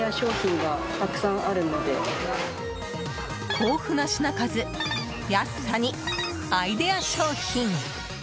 豊富な品数、安さにアイデア商品！